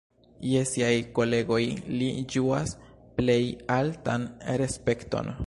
Je siaj kolegoj li ĝuas plej altan respekton.